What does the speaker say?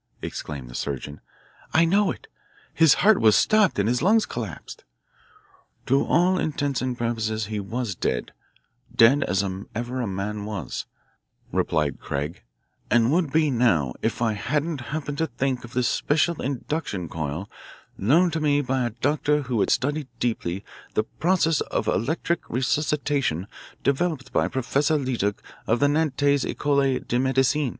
exclaimed the surgeon. "I know it. His heart was stopped and his lungs collapsed." "To all intents and purposes he was dead, dead as ever a man was," replied Craig, "and would be now, if I hadn't happened to think of this special induction coil loaned to me by a doctor who had studied deeply the process of electric resuscitation developed by Professor Leduc of the Nantes Ecole de Medicin.